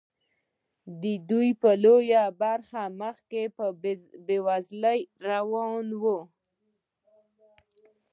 د دوی لویه برخه مخ په بیوزلۍ روانه وه.